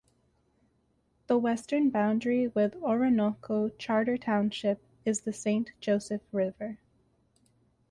The western boundary with Oronoko Charter Township is the Saint Joseph River.